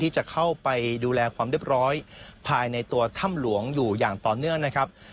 จะเข้าไปดูแลความเรียบร้อยภายในตัวถ้ำหลวงอยู่อย่างต่อเนื่องนะครับ